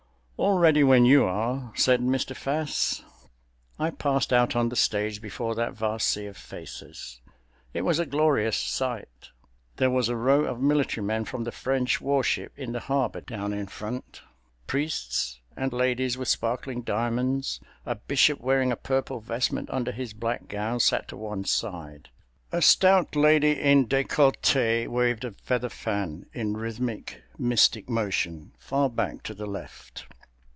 "All ready when you are," said Mr. Fass. I passed out on the stage before that vast sea of faces. It was a glorious sight. There was a row of military men from the French warship in the harbor, down in front; priests, and ladies with sparkling diamonds; a bishop wearing a purple vestment under his black gown sat to one side; a stout lady in decollete waved a feather fan in rhythmic, mystic motion, far back to the left.